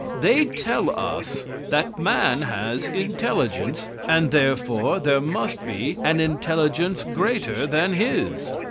They tell us that man has intelligence, and therefore there must be an intelligence greater than his.